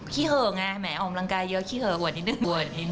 ขี้เหอะไงออกกำลังกายเยอะขี้เหอะอวดนิดนึง